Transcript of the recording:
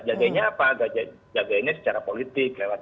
jagainnya apa jagainnya secara politik lewat dpr